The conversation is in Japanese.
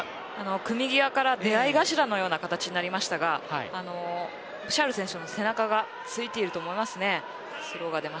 組み際から出合い頭のような形になりましたがブシャール選手の背中がついていると思います。